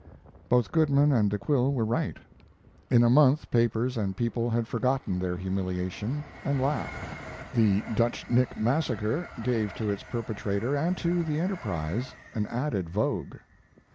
Both Goodman and De Quille were right. In a month papers and people had forgotten their humiliation and laughed. "The Dutch Nick Massacre" gave to its perpetrator and to the Enterprise an added vogue.